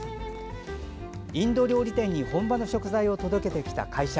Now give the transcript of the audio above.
インド料理店に本場の食材を届けてきた会社。